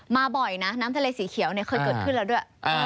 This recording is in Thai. บ่อยนะน้ำทะเลสีเขียวเนี่ยเคยเกิดขึ้นแล้วด้วย